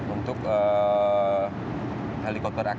untuk helikopter aks